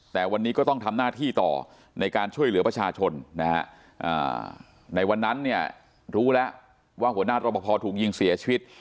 แต่วันนี้ก็ต้องทำหน้าที่ต่อในการช่วยเหลือประชาชนนะฮะในวันนั้นเนี่ยรู้แล้วว่าหัวหน้ารอปภถูกยิงเสียชีวิต